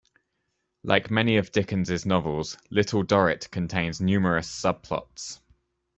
Like many of Dickens's novels, "Little Dorrit" contains numerous subplots.